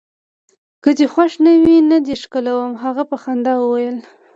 که دي خوښه نه وي، نه دي ښکلوم. هغه په خندا وویل.